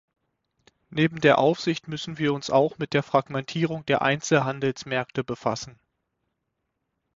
Neben der Aufsicht müssen wir uns auch mit der Fragmentierung der Einzelhandelsmärkte befassen.